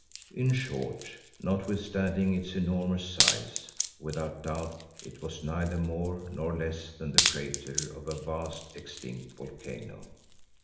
In short, notwithstanding its enormous size, without doubt it was neither more nor less than the crater of a vast extinct volcano.